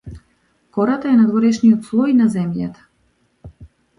Кората е надворешниот слој на земјата.